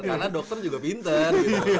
karena dokter juga pinter